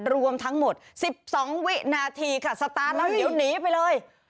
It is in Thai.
รวมทั้งหมด๑๒วินาทีค่ะสตาร์ทแล้วเดี๋ยวหนีไปเลย